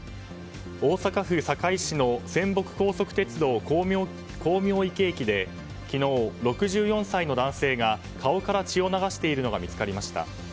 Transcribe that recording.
大阪府堺市の泉北高速鉄道光明池駅で昨日、６４歳の男性が顔から血を流しているのが見つかりました。